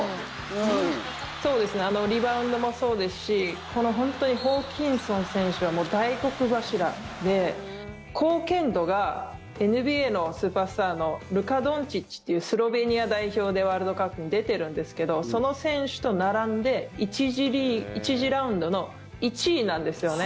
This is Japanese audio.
そうですねリバウンドもそうですしこのホーキンソン選手は大黒柱で貢献度がＮＢＡのスーパースターのルカ・ドンチッチっていうスロベニア代表でワールドカップに出ているんですけどその選手と並んで１次ラウンドの１位なんですね。